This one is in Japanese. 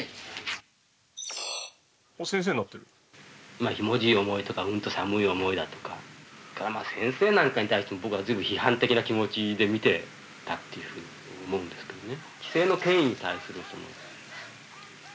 まあひもじい思いとかうんと寒い思いだとかそれから先生なんかに対しても僕は随分批判的な気持ちで見てたっていうふうに思うんですけどね。